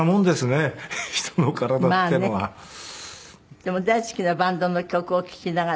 でも大好きなバンドの曲を聴きながら。